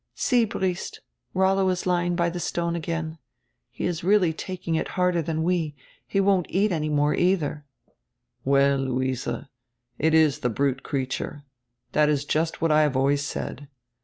"See, Briest, Rollo is lying by tire stone again. He is really taking it harder than we. He won't eat any more, either." "Well, Luise, it is the brute creature. That is just what I have always said.